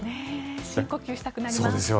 深呼吸したくなります。